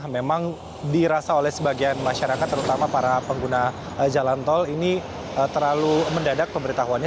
memang dirasa oleh sebagian masyarakat terutama para pengguna jalan tol ini terlalu mendadak pemberitahuannya